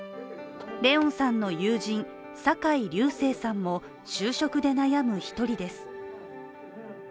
怜音さんの友人、酒井隆成さんも就職で悩む一人です。